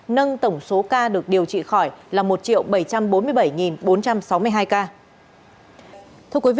nâng tổng số ca được điều trị khỏi là một bảy trăm bốn mươi bảy bốn trăm sáu mươi hai ca